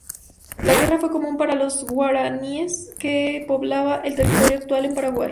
La guerra fue común para los guaraníes que poblaban el territorio actual de Paraguay.